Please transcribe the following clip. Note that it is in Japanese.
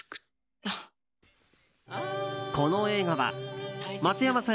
この映画は松山さん